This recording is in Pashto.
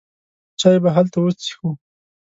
چای به هلته وڅېښو.